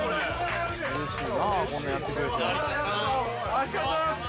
ありがとうございます。